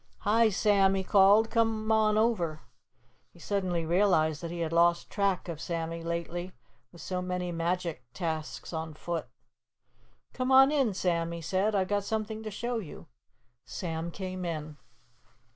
"Hi, Sam!" he called. "Come on over." He suddenly realized that he had lost track of Sammy lately, with so many magic tasks on foot. "Come on in, Sam," he said. "I've got something to show you." Sam came in.